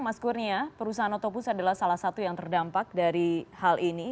mas kurnia perusahaan otopus adalah salah satu yang terdampak dari hal ini